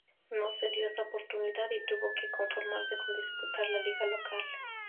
No se dio esa oportunidad y tuvo que conformarse con disputar la liga local.